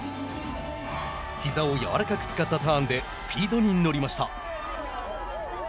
ひざを柔らかく使ったターンでスピードに乗りました。